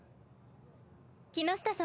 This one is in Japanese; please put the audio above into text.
木ノ下様